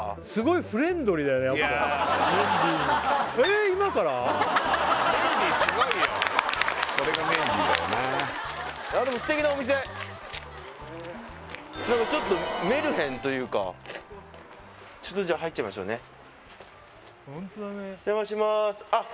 いやでも何かちょっとメルヘンというかちょっとじゃあ入っちゃいましょうねおじゃましまーすあっ・